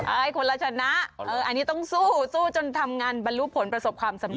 ใช่คนละชนะอันนี้ต้องสู้สู้จนทำงานบรรลุผลประสบความสำเร็